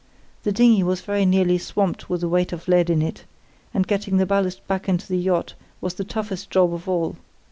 The dinghy was very nearly swamped with the weight of lead in it, and getting the ballast back into the yacht was the toughest job of all.